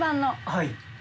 はい。